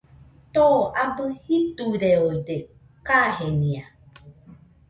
Too abɨ jiduireoide kajenia.